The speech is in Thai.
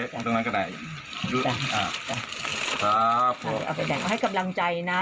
ตรงนั้นก็ได้จ้าจ้าจ้าเอาให้กำลังใจนะ